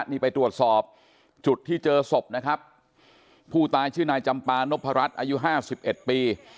นี่ไปตรวจสอบจุดที่เจอศพนะครับผู้ตายชื่อนายจำปานพรัชอายุห้าสิบเอ็ดปี